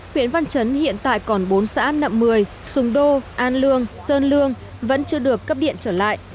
huyện văn chấn hiện tại còn bốn xã nậm mười sùng đô an lương sơn lương vẫn chưa được cấp điện trở lại